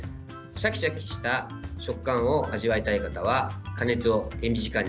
シャキシャキした食感を味わいたい方は、加熱を手短に。